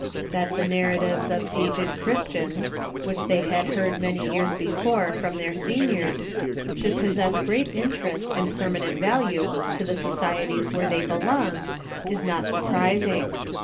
That the narratives of aged Christians, which they had heard many years before from their seniors, should possess great interest and permanent value to the societies Avhere they belonged, is not surprising.